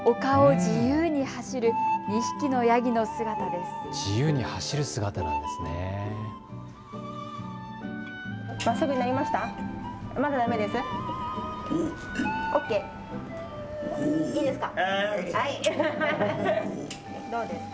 自由に走る姿なんですね。